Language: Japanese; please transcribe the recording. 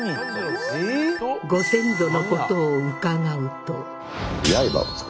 ご先祖のことを伺うと。